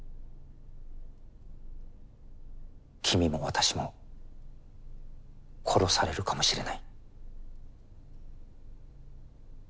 君も私も殺されるかもしれない。